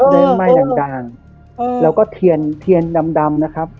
ไม่ไหม้อย่างด่างอืมแล้วก็เทียนเทียนดำดำนะครับ